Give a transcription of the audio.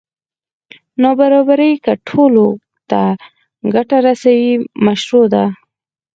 نابرابري که ټولو ته ګټه رسوي مشروع ده.